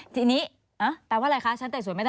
ทีนี้แปลว่าอะไรคะชั้นไต่สวนไม่ได้